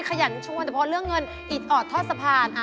ขยันชวนแต่พอเลือกเงินอีกออกท่อสะพาน